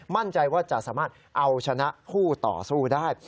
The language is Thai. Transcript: มั่นใจว่าจะสามารถเอาชนะคู่ต่อสู้ได้